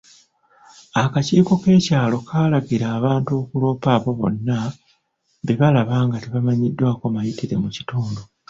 Akakiiko k'ekyalo kaalagira abantu okuloopa abo bonna be balaba nga tebamanyiddwako mayitire mu kitundu.